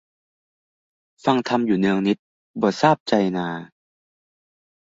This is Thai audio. ฟังธรรมอยู่เนืองนิตย์ บ่ทราบ ใจนา